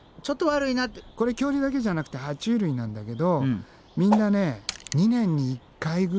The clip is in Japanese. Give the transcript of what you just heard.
これ恐竜だけじゃなくては虫類なんだけどみんなねえっ２年に１回も？